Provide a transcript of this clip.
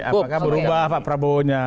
kita lihat apakah berubah pak prabowo nya